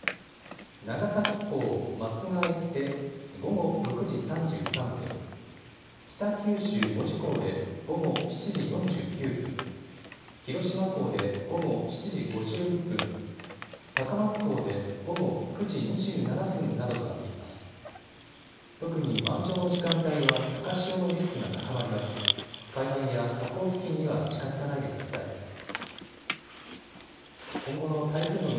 長崎港松が枝で午後６時３３分、北九州門司港で午後７時４９分、広島港で午後７時５１分、高松港で午後９時２７分などとなっています。